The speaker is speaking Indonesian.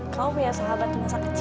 kamu punya sahabat yang masa kecil